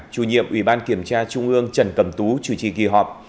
chủ nhiệm ủy ban kiểm tra trung ương trần cầm tú chủ trì kỳ họp